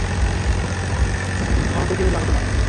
ভয়ঙ্কর কেউ, যে আমাকে মারবে।